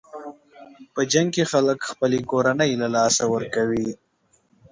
په جنګ کې خلک خپلې کورنۍ له لاسه ورکوي.